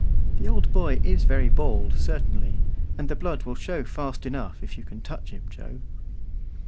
The old boy is very bald, certainly, and the blood will show fast enough if you can touch him, Joe.